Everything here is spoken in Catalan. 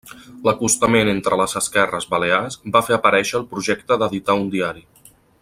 L'acostament entre les esquerres balears va fer aparèixer el projecte d'editar un diari.